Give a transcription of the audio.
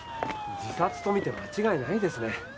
自殺と見て間違いないですね。